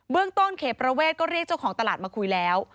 เบื้องต้นเขพระเวทย์ก็เรียกเจ้าของตลาดมาคุยแล้ว